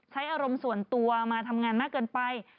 ใช้อารมณ์ส่วนตัวมาทำงานมากเกินไป